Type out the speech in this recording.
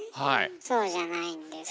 そうじゃないんですよ。